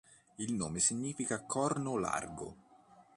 Il nome significa "corno largo".